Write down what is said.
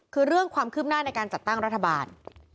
คือเรื่องความคืบหน้าในการจัดตั้งรัฐบาล